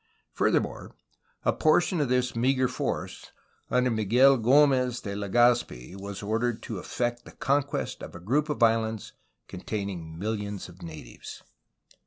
Furthermore, a portion of this meagre force, under Miguel G6mez de Legazpi, was ordered to effect the conquest of a group of islands containing mil lions of natives.